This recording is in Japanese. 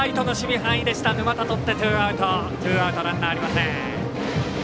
ツーアウトランナーはありません。